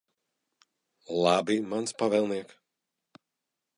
Labi, mans pavēlniek.